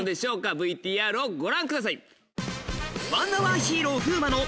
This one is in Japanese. ＶＴＲをご覧ください。